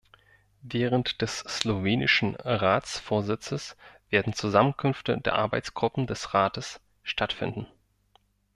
Während des slowenischen Ratsvorsitzes werden Zusammenkünfte der Arbeitsgruppen des Rates stattfinden.